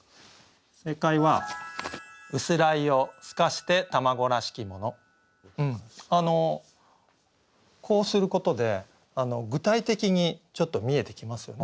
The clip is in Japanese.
正解はこうすることで具体的にちょっと見えてきますよね。